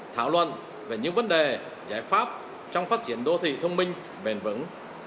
thảo luận về những vấn đề giải pháp trong phát triển đô thị thông minh bền vững